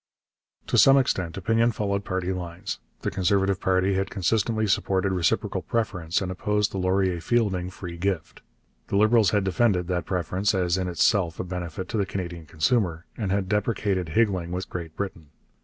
To some extent opinion followed party lines. The Conservative party had consistently supported reciprocal preference and opposed the Laurier Fielding free gift. The Liberals had defended that preference as in itself a benefit to the Canadian consumer, and had deprecated higgling with Great Britain.